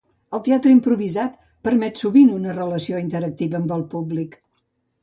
El teatre improvisat permet sovint una relació interactiva amb el públic.